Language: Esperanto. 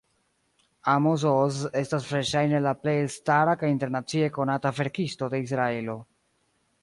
Amos Oz estas verŝajne la plej elstara kaj internacie konata verkisto de Israelo.